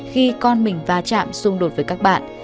khi con mình va chạm xung đột với các bạn